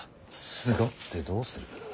すがってどうする。